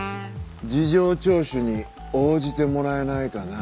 事情聴取に応じてもらえないかなあ。